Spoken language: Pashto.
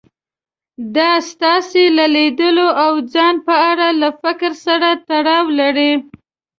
دا ستاسې له ليدلوري او ځان په اړه له فکر سره تړاو لري.